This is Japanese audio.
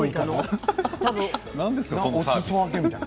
おすそ分けみたいな？